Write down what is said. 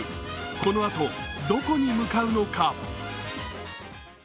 このあと、どこに向かうのか？